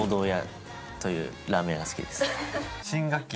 王道家というラーメンが好きです。